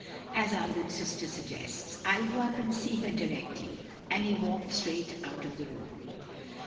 "As our good sister suggests, I'll go up and see her directly," and he walked straight out of the room.